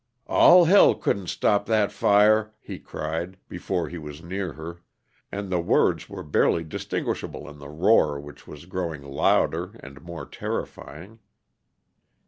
"All hell couldn't stop that fire!" he cried, before he was near her, and the words were barely distinguishable in the roar which was growing louder and more terrifying.